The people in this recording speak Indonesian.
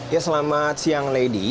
ya selamat siang lady